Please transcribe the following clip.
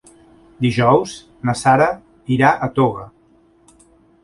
Dijous na Sara irà a Toga.